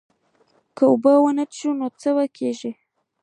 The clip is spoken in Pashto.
که اوبه ونه څښو نو څه کیږي